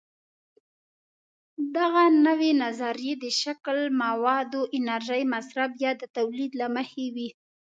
دغه نوې نظریې د شکل، موادو، انرژۍ مصرف یا د تولید له مخې وي.